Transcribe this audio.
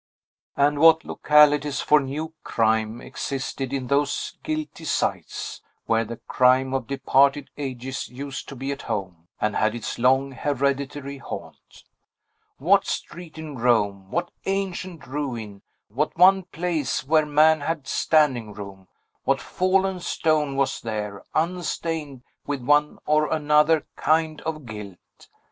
And what localities for new crime existed in those guilty sites, where the crime of departed ages used to be at home, and had its long, hereditary haunt! What street in Rome, what ancient ruin, what one place where man had standing room, what fallen stone was there, unstained with one or another kind of guilt!